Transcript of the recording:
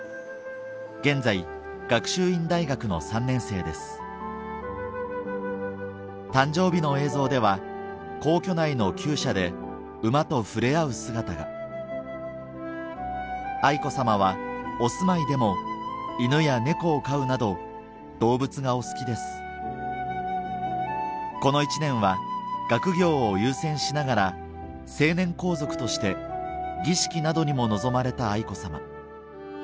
現在学習院大学の３年生です誕生日の映像では皇居内の厩舎で馬とふれあう姿が愛子さまはお住まいでも犬や猫を飼うなど動物がお好きですこの１年は学業を優先しながら成年皇族として儀式などにも臨まれた愛子さま